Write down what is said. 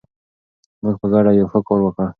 موږ په ګډه یو ښه کار وکړ.